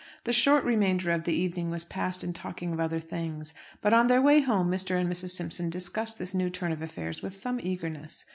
The short remainder of the evening was passed in talking of other things. But on their way home Mr. and Mrs. Simpson discussed this new turn of affairs with some eagerness.